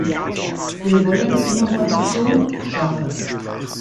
Wir wollen Innovation schaffen.